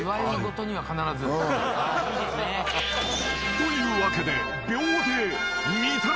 ［というわけで］